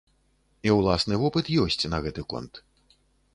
І ўласны вопыт ёсць на гэты конт.